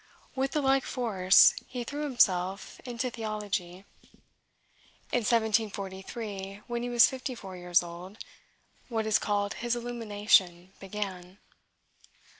With the like force, he threw himself into theology. In 1743, when he was fifty four years old, what is called his illumination began.